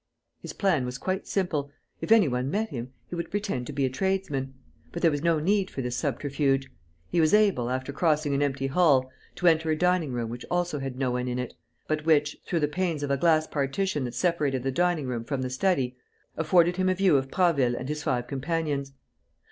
His plan was quite simple: if any one met him, he would pretend to be a tradesman. But there was no need for this subterfuge. He was able, after crossing an empty hall, to enter a dining room which also had no one in it, but which, through the panes of a glass partition that separated the dining room from the study, afforded him a view of Prasville and his five companions.